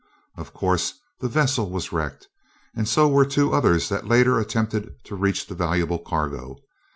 Of course, the vessel was wrecked, and so were two others that later attempted to reach the valuable cargo.